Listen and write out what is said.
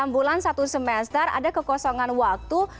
enam bulan satu semester ada kekosongan waktu